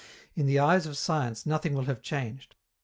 In the eyes of science nothing will have changed.